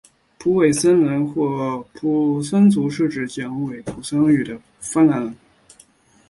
维普森人或维普森族是指讲维普森语的芬兰人。